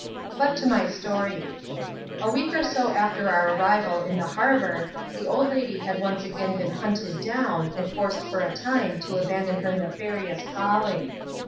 But to my story. A week oc so after our arriFal in the harbour, the old lady had once again been hunted down, and forced for the time to abfindon her nefarious calling.